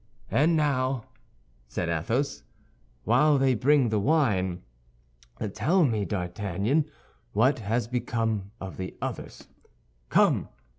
"And now," said Athos, "while they bring the wine, tell me, D'Artagnan, what has become of the others, come!"